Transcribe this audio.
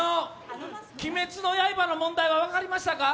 「鬼滅の刃」の問題は、分かりましたか？